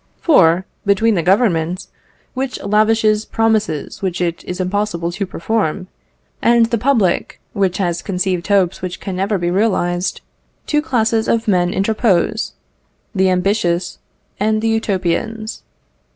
For, between the Government, which lavishes promises which it is impossible to perform, and the public, which has conceived hopes which can never be realised, two classes of men interpose the ambitious and the Utopians.